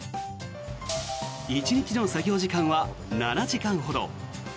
１日の作業時間は７時間ほど。